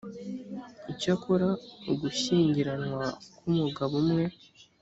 icyakora ugushyingiranwa k’umugabo umwe